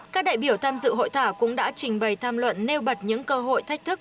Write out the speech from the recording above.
các đại biểu tham dự hội thảo cũng đã trình bày tham luận nêu bật những cơ hội thách thức